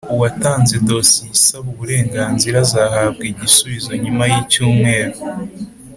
uwatanze dosiye isaba uburenganzira azahabwa igisubizo nyuma yicytumweru